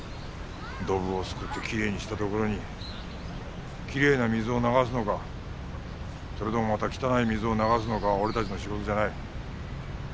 ドブをすくってきれいにしたところにきれいな水を流すのかそれともまた汚い水を流すのかは俺たちの仕事じゃない。